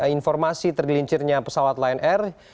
informasi tergelincirnya pesawat lion air